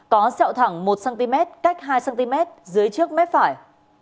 có sẹo thẳng một cm cách hai cm dưới trước mép phải